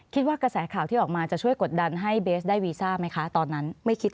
กระแสข่าวที่ออกมาจะช่วยกดดันให้เบสได้วีซ่าไหมคะตอนนั้นไม่คิด